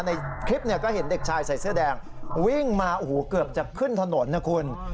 ในคลิปเนี่ยก็เห็นเด็กชายใส่เสื้อแดงวิ่งมาโอ้โหเกือบจะขึ้นถนนนะคุณ